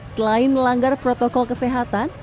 selain melanggar protokol kesehatan